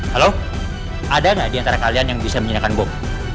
halo ada nggak di antara kalian yang bisa menyediakan bom